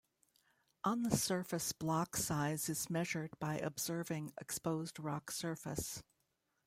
On the surface block size is measured by observing exposed rock surface.